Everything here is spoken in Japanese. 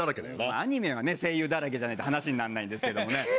アニメはね、声優だらけじゃないと話になんないんですけれどもね。